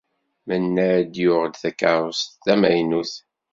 Mennad yuɣ-d takeṛṛust d tamaynut.